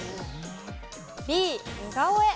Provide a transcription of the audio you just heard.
Ｂ、似顔絵。